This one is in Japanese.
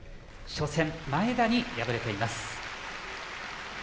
初戦、前田に敗れています。